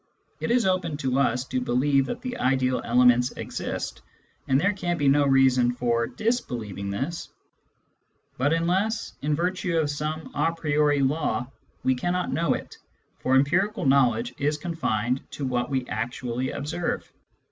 It is open to us to believe that the ideal elements exist, and there can be no reason for ^/wbelieving this ; but unless in virtue of some a priori law we cannot know it, for empirical knowledge is confined to what we actually observe.